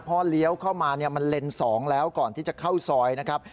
พอเลี้ยวเข้ามามันเลนส์๒แล้วก่อนที่จะเข้าซอยนะครับ